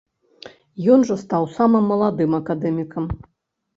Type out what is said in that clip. Ён жа стаў самым маладым акадэмікам.